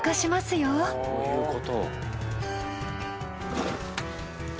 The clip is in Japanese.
そういうこと。